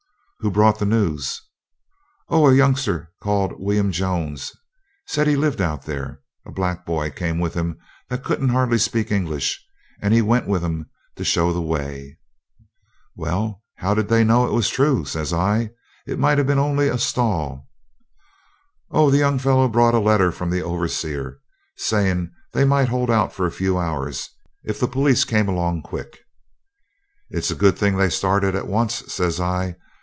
'Who brought the news?' 'Oh! a youngster called William Jones said he lived out there. A black boy came with him that couldn't hardly speak English; he went with 'em to show the way.' 'Well, but how did they know it was true?' says I. 'It might have been only a stall.' 'Oh, the young fellow brought a letter from the overseer, saying they might hold out for a few hours, if the police came along quick.' 'It's a good thing they started at once,' says I.